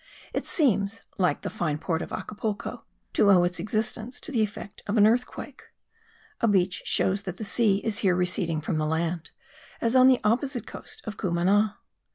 It seems, like the fine port of Acapulco, to owe its existence to the effect of an earthquake. A beach shows that the sea is here receding from the land, as on the opposite coast of Cumana.